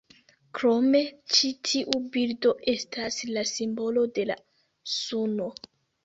Krome, ĉi tiu birdo estas la simbolo de la suno.